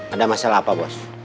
ada masalah apa bos